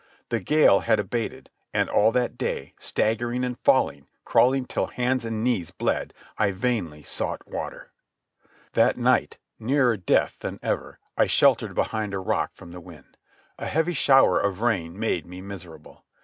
The gale had abated, and all that day, staggering and falling, crawling till hands and knees bled, I vainly sought water. That night, nearer death than ever, I sheltered behind a rock from the wind. A heavy shower of rain made me miserable.